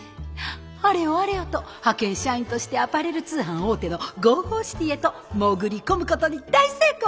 あれよあれよと派遣社員としてアパレル通販大手のＧＯＧＯＣＩＴＹへと潜り込むことに大成功！